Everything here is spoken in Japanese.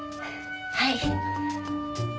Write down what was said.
はい。